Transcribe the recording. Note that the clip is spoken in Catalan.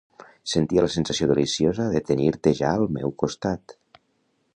Sentia la sensació deliciosa de tenir-te ja al meu costat.